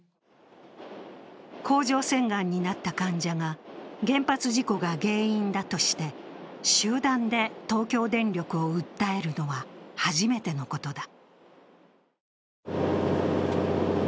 甲状腺がんになった患者が原発事故が原因だとして集団で東京電力を訴えるのは初めてのことだ。